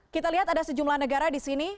kita lihat ada sejumlah negara di sini